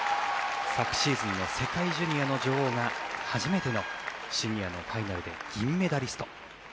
昨シーズンの世界ジュニアの女王が初めてのシニアのファイナルで銀メダリスト。